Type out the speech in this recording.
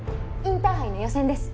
インターハイの予選です。